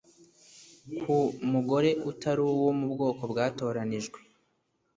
ku mugore utari uwo mu bwoko bwatoranijwe.